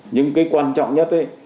nhưng cái quan trọng nhất